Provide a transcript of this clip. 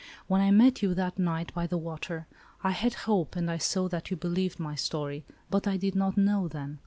When I met you, that night, by the water; I had hope, and I saw that you believed my story ; but I did not know, then.